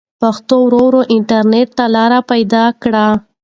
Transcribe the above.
پښتو ورو ورو انټرنټ ته لاره پيدا کړې ده.